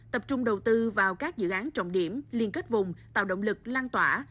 tập trung đầu tư vào các dự án trọng điểm liên kết vùng tạo động lực lan tỏa